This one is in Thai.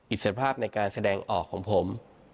อิสรภาพในการแสดงออกของผม